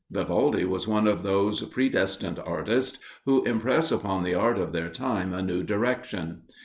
Vivaldi was one of those predestined artists who impress upon the art of their time a new direction.